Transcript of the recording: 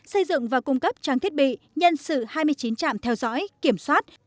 xây dựng và cung cấp trang thiết bị nhân sự hai mươi chín trạm theo dõi kiểm soát